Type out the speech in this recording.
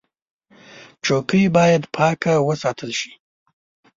چوکۍ باید پاکه وساتل شي.